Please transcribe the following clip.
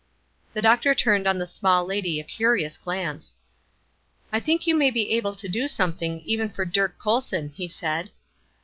The doctor turned on the small lady a curious glance. "I think you may be able to do something, even for Dirk Colson," he said.